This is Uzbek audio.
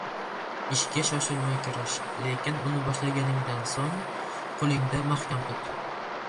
Ishga shoshilmay kirish, lekin uni boshlaganingdan so‘ng qo‘lingda mahkam tut.